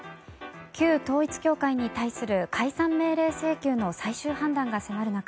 旧統一教会に対する解散命令請求の最終判断が迫る中